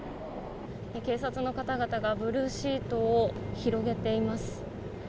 警察の方々がブルーシートを広げています。